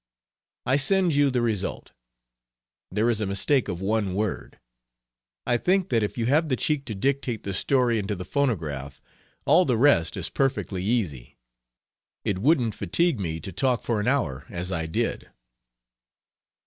I send you the result. There is a mistake of one word. I think that if you have the cheek to dictate the story into the fonograf, all the rest is perfectly easy. It wouldn't fatigue me to talk for an hour as I did."